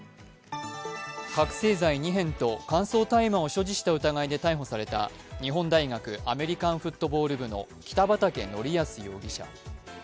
覚醒剤２片と乾燥大麻を所持した疑いで逮捕された日本大学・アメリカンフットボール部の北畠成文容疑者。